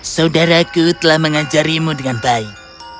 saudaraku telah mengajarimu dengan baik